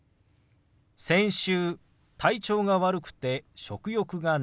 先週体調が悪くて食欲がなかったの。